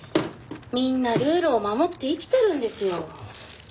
みんなルールを守って生きてるんですよ。